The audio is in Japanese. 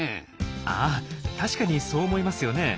あ確かにそう思いますよね。